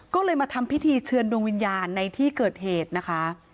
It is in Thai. ก็เลยมาทำพิธีเชิญดวงวิญญาณในที่เกิดเหตุนะคะ